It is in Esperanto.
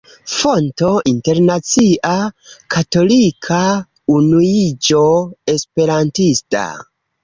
Fonto: Internacia Katolika Unuiĝo Esperantista.